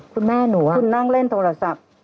คุณแม่หนูคุณนั่งเล่นโทรศัพท์